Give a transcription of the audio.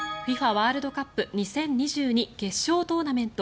ワールドカップ２０２２決勝トーナメント。